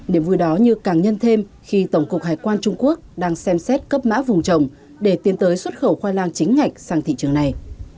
để vui đó như càng nhân thêm khi tổng cục hải quan trung quốc đang xem xét cấp mã vùng trồng để tiến tới xuất khẩu khoai lang chính ngạch sang thị trường này